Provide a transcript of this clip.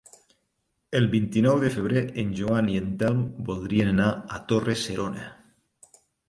El vint-i-nou de febrer en Joan i en Telm voldrien anar a Torre-serona.